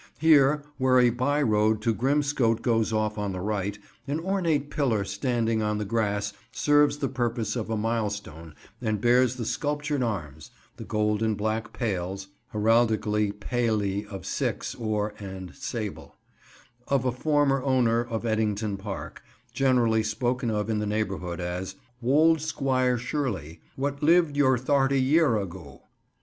Here, where a by road to Grimscote goes off on the right, an ornate pillar standing on the grass serves the purpose of a milestone and bears the sculptured arms—the gold and black pales (heraldically paly of six, or and sable)—of a former owner of Ettington Park, generally spoken of in the neighbourhood as "wold Squire Shirley, what lived yur tharty yur agoo."